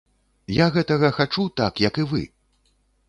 Я гэтага хачу так, як і вы.